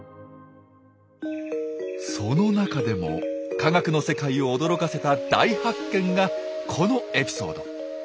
その中でも科学の世界を驚かせた大発見がこのエピソード。